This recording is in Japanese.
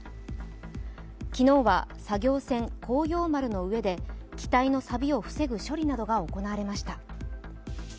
昨日は作業船「航洋丸」の上で機体のさびを防ぐ処理などが行われました。